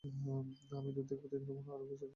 আমি দূর থেকে প্রতিদিন তোমার আরও বেশী গুণগ্রাহী হচ্ছি।